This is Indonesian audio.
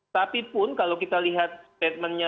tapi pun kalau kita lihat statementnya